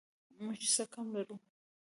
موږ څه کم لرو